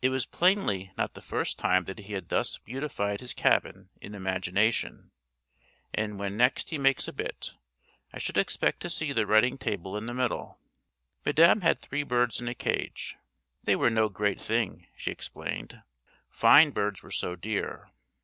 It was plainly not the first time that he had thus beautified his cabin in imagination; and when next he makes a bit, I should expect to see the writing table in the middle. Madame had three birds in a cage. They were no great thing, she explained. Fine birds were so dear.